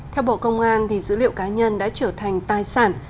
theo bộ công an dữ liệu cá nhân đã trở thành tài sản